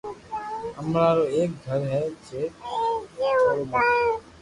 امرا رو ايڪ گِر ھي جي ٿورو موٿو